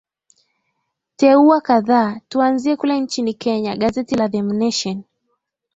teua kadhaa tuanzie kule nchini kenya gazeti la the nation